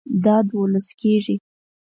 دا دوولس کیږي